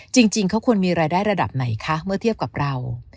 จริงเขาควรมีรายได้ระดับไหนคะเมื่อเทียบกับเรา